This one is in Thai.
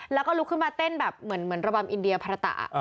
แล้วก็ลุกขึ้นมาเต้นแบบเหมือนระบำอินเดียภาระตะ